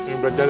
ini belajar ya